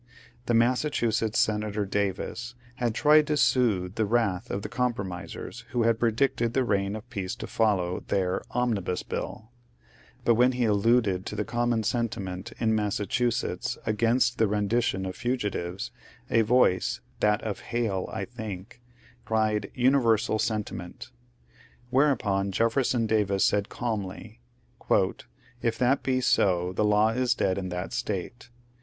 The Massachusetts Senator Davis had tried to soothe the wrath of the compromisers who had predicted the reign of peace to follow their ^^ Omnibus Bill ;" but when he alluded to the ^^ common sentiment " in Massachusetts against the rendition of fugitives, a voice (that of Hale, I think) cried, ^^ Universal sentiment." Whereu{>on Jefferson Davis said calmly, ^ If that be so the law is dead in that State.